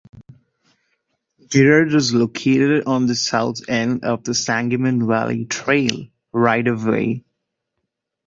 Girard is located on the south end of the Sangamon Valley Trail right-of-way.